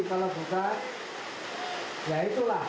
kalau bukan ya itulah